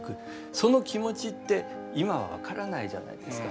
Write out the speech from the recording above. その気持ちって今は分からないじゃないですか。